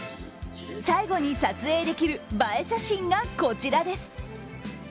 最後に、撮影できる映え写真がこちらです。